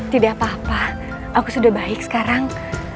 tidak apa apa aku sudah baik sekarang